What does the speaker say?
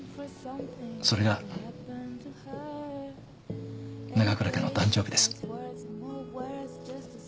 それが長倉家の誕生日です。